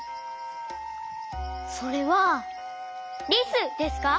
それはリスですか？